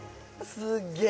すっげえ